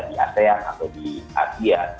di asean atau di asia